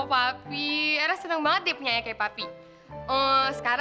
tapi seneng banget dipenyanyi papi papi bayarin belanja nera ya